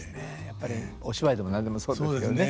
やっぱりお芝居でも何でもそうですからね。